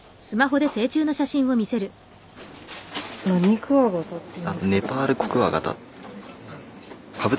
何クワガタっていう？